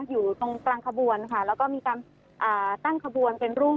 อยู่ตรงกลางขบวนค่ะแล้วก็มีการอ่าตั้งขบวนเป็นรูป